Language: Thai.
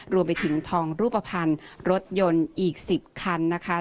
รวมไปถึงทองรูปภัณฑ์รถยนต์อีก๑๐คันนะคะ